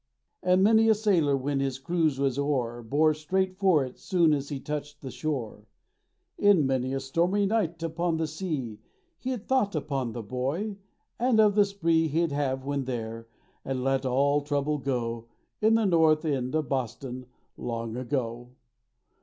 And many a sailor, when his cruise was o'er, Bore straight for it soon as he touched the shore: In many a stormy night upon the sea He'd thought upon the Boy—and of the spree He'd have when there, and let all trouble go, In the North End of Boston, long ago.